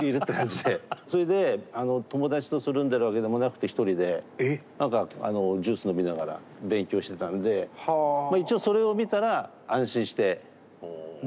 それで友達とつるんでるわけでもなくて１人で何かジュース飲みながら勉強してたんでまあ一応それを見たら安心して帰ってきて寝て。